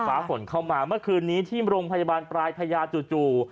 ฟ้าฝนเข้ามาเมื่อคืนนี้ที่โรงพยาบาลปลายพญาจู่